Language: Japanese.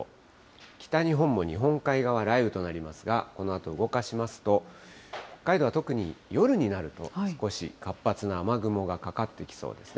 北日本も、日本海側、雷雨となりますが、このあと動かしますと、北海道は特に夜になると、少し活発な雨雲がかかってきそうですね。